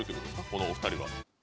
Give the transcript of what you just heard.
このお二人は。